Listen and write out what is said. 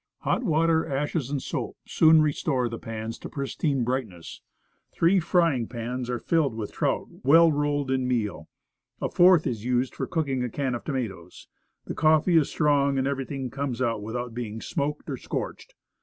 Hot water, ashes, and soap soon restore the pans to pristine brightness; three frying pans are filled with trout well rolled in meal; a fourth is used for cooking a can of tomatoes; the coffee is strong, and everything comes out without being smoked or scorched.